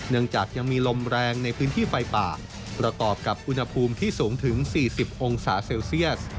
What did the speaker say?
ยังมีจากยังมีลมแรงในพื้นที่ไฟป่าประกอบกับอุณหภูมิที่สูงถึง๔๐องศาเซลเซียส